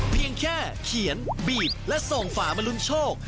เพียงแค่เขียนบีบและส่งฝามาลุ้นโชค